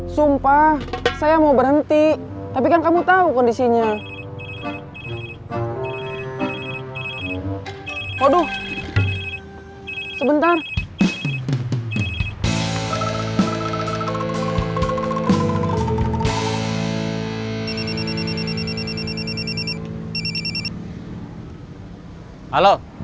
sampai jumpa di video selanjutnya